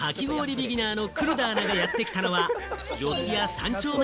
ビギナーの黒田アナがやってきたのは、四谷三丁目